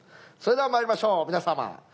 それではまいりましょう皆様。